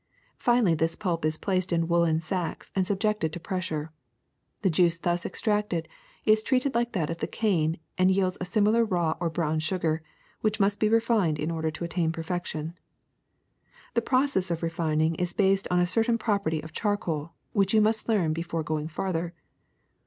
Finally this pulp is placed in woolen sacks and subjected to pressure. The juice thus extracted is treated like that of the cane and yields a similar raw or brown sugar, which must be refined in order to attain perfection. *^The process of refining is based on a certain prop erty of charcoal which you must learn before going farther.